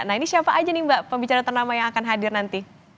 nah ini siapa aja nih mbak pembicara ternama yang akan hadir nanti